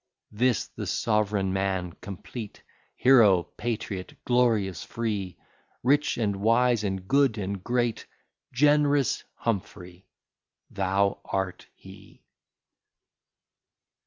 This the sovereign man, complete; Hero; patriot; glorious; free; Rich and wise; and good and great; Generous Humphry, thou art he.